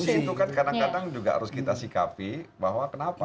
nah itu kan kadang kadang juga harus kita sikapi bahwa kenapa